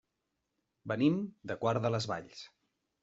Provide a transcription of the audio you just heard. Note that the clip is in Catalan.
Venim de Quart de les Valls.